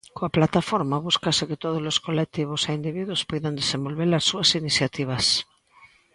Coa plataforma búscase que todos os colectivos e individuos poidan desenvolver as súas iniciativas.